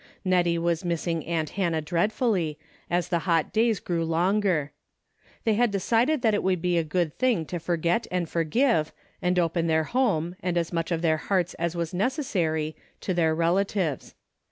Xettie was missing aunt Hannah dreadfully, as the hot days grew longer. They had decided that it would be a good thing to forget and forgive, and open their home and as much of their hearts as was necessary to their relatives.